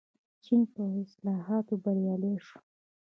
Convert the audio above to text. چین په اصلاحاتو بریالی شو.